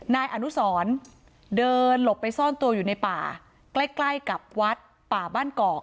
นายอนุสรเดินหลบไปซ่อนตัวอยู่ในป่าใกล้ใกล้กับวัดป่าบ้านกอก